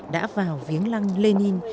đã vào viếng lăng lenin